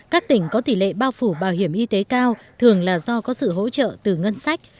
các tỉnh có tỷ lệ bao phủ bảo hiểm y tế cao thường là do có sự hỗ trợ từ ngân sách